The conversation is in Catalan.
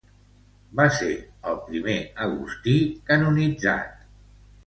Va ser el primer agustí canonitzat.